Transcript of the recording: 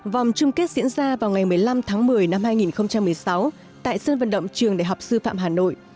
vòng chung kết diễn ra vào ngày một mươi năm tháng một mươi năm hai nghìn một mươi sáu tại sân vận động trường đại học sư phạm hà nội